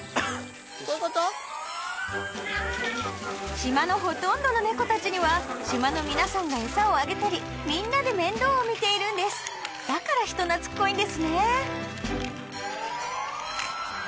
島のほとんどの猫たちには島の皆さんが餌をあげたりみんなで面倒を見ているんですだから人懐っこいんですね